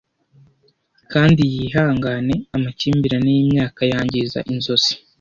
Kandi yihangane amakimbirane yimyaka yangiza inzozi,